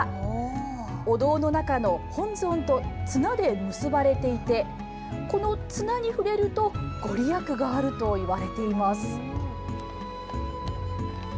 お堂の中の本尊と綱で結ばれていて、この綱に触れると、御利益があるといわれています。